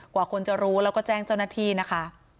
กว่าคนจะรู้แล้วก็แจ้งเจ้าหน้าที่นะคะ